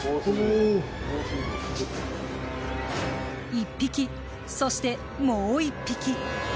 １匹、そしてもう１匹。